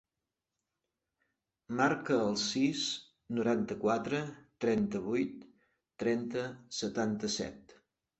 Marca el sis, noranta-quatre, trenta-vuit, trenta, setanta-set.